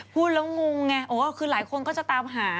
พูดแล้วงงไงหลายคนก็จะตามหา